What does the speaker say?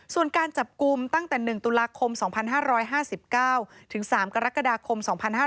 ส่วนการจับกลุ่มตั้งแต่๑ตุลาคม๒๕๕๙ถึง๓กรกฎาคม๒๕๕๙